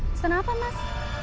pesen apa mas